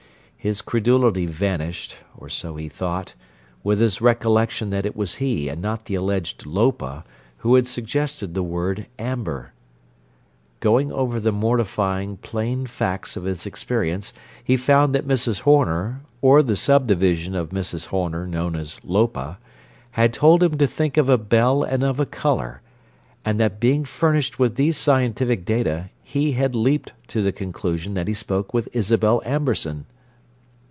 His credulity vanished (or so he thought) with his recollection that it was he, and not the alleged "Lopa," who had suggested the word "amber." Going over the mortifying, plain facts of his experience, he found that Mrs. Horner, or the subdivision of Mrs. Horner known as "Lopa," had told him to think of a bell and of a colour, and that being furnished with these scientific data, he had leaped to the conclusion that he spoke with Isabel Amberson!